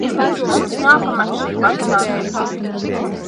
Mums jāpamet šī baisā vieta.